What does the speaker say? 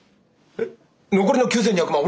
えっ残りの９，２００万